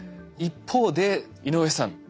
一方で井上さん